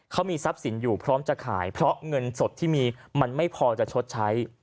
เขามีทรัพย์สินอยู่พร้อมจะขายเพราะเงินสดที่มีมันไม่พอจะชดใช้